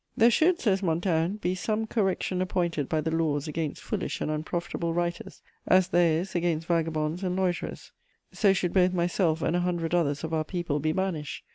* "There should," says Montaigne, "be some correction appointed by the laws against foolish and unprofitable writers, as there is against vagabonds and loiterers; so should both my selfe and a hundred others of our people be banished....